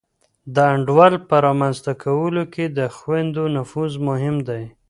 د انډول په رامنځته کولو کي د خویندو نفوذ مهم دی.